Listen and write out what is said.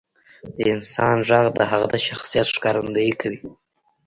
• د انسان ږغ د هغه د شخصیت ښکارندویي کوي.